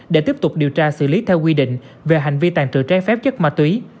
để tiếp tục điều tra xử lý theo quy định về hành vi tàn trự trái phép chất ma túy